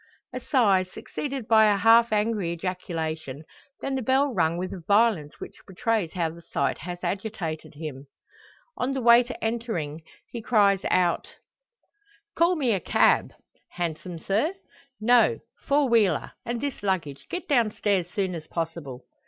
A sigh, succeeded by a half angry ejaculation; then the bell rung with a violence which betrays how the sight has agitated him. On the waiter entering, he cries out "Call me a cab." "Hansom, sir?" "No! four wheeler. And this luggage; get down stairs soon as possible."